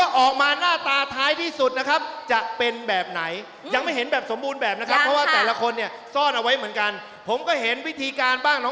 รู้แค่ว่าทีมนี้มีปลาทีมสีส้มมีสิครมู